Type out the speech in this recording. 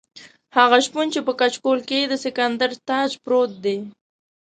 هغه شپون چې په کچکول کې یې د سکندر تاج پروت دی.